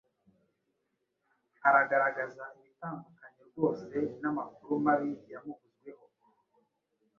aragaragaza ibitandukanye rwose n’amakuru mabi yamuvuzweho